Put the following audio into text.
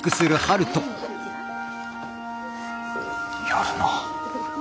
やるな。